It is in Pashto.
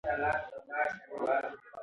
که رڼا نه وي، زه به لاره ورکه کړم.